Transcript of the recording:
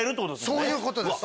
そういうことです